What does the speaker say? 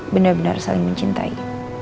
bener bener saling mencintai